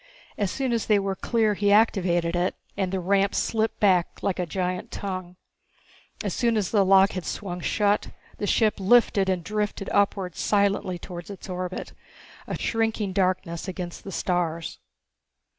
As soon as they were clear he activated it and the ramp slipped back like a giant tongue. As soon as the lock had swung shut, the ship lifted and drifted upwards silently towards its orbit, a shrinking darkness against the stars.